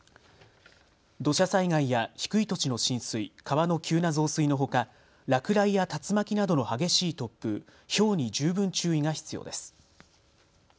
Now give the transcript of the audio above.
土砂災害や低い土地の浸水、川の急な増水のほか落雷や竜巻などの激しい突風、ひょうに十分注意が必要です。